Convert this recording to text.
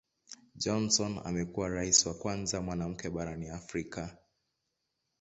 Johnson amekuwa Rais wa kwanza mwanamke barani Afrika.